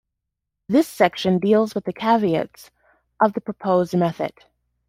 This section deals with the caveats of the proposed method.